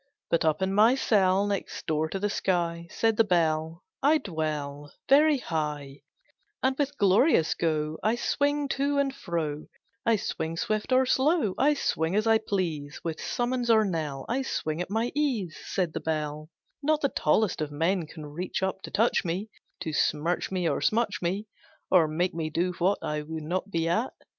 But up in my cell Next door to the sky, Said the Bell, I dwell Very high; And with glorious go I swing to and fro; I swing swift or slow, I swing as I please, With summons or knell; I swing at my ease, Said the Bell: Not the tallest of men Can reach up to touch me, To smirch me or smutch me, Or make me do what I would not be at!